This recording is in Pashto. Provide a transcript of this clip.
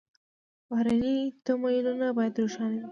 بهرني تمویلونه باید روښانه وي.